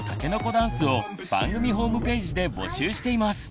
ダンスを番組ホームページで募集しています！